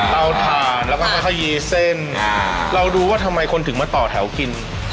ถ่านแล้วก็ค่อยยีเส้นเราดูว่าทำไมคนถึงมาต่อแถวกิน